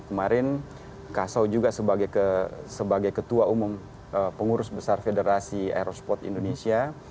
kemarin kaso juga sebagai ketua umum pengurus besar federasi aerospot indonesia